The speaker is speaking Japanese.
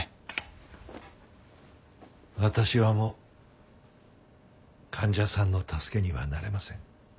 私はもう患者さんの助けにはなれません。